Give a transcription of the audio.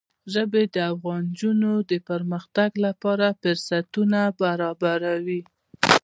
ژبې د افغان نجونو د پرمختګ لپاره فرصتونه برابروي.